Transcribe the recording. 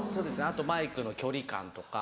あとマイクの距離感とか。